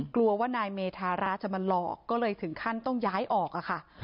กลัวว่านายเมธาระจะมาหลอกก็เลยถึงขั้นต้องย้ายออกค่ะ